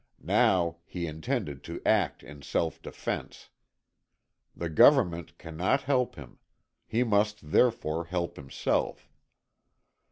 Now he intended to act in self defense. The government cannot help him he must therefore help himself.